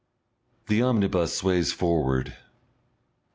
The omnibus sways forward.